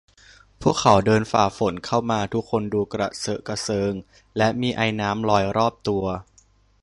พวกเขาเดินฝ่าฝนเข้ามา ทุกคนดูกระเซอะกระเซิงและมีไอน้ำลอยรอบตัว